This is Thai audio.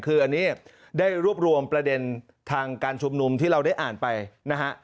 คืออันนี้ได้รวบรวมประเด็นทางการชุมนุมที่เราได้อ่านไปนะฮะ